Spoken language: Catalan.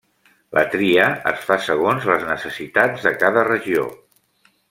La tria es fa segons les necessitats de cada regió.